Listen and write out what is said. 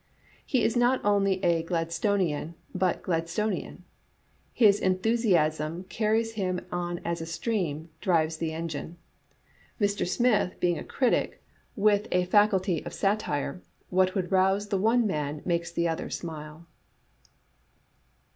He is not only a Gladstonian, but Gladstonian ; his enthu siasm carried him on as steam drives the engine. Dr. Smith being a critic, with a faculty of satire, what would rouse the one man makes the other smile."